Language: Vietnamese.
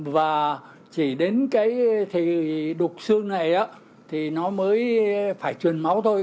và chỉ đến cái thì đục xương này á thì nó mới phải truyền máu thôi